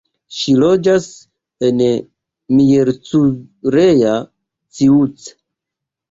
Ŝi loĝas en Miercurea Ciuc.